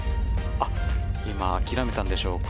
今、諦めたんでしょうか。